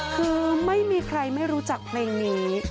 คือไม่มีใครไม่รู้จักเพลงนี้